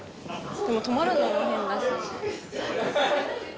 でも泊まるのも変だし。